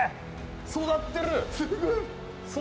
育ってる！